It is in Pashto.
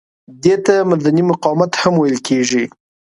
دې ته مدني مقاومت هم ویل کیږي.